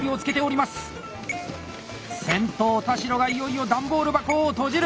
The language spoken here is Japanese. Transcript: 先頭・田代がいよいよ段ボール箱を閉じる！